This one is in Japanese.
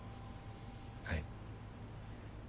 はい。